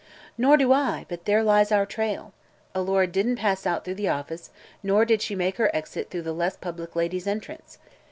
"Nor do I, but there lies our trail. Alora didn't pass out through the office, nor did she make her exit through the less public Ladies' Entrance.